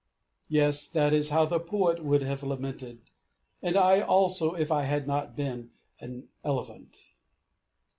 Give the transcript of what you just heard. "_ Yes, that is how the Poet would have lamented and I also if I had not been an elephant!